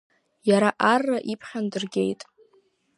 Иара арра иԥхьан дыргеит.